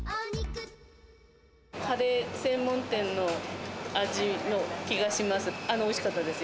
カレー専門店の味の気がします。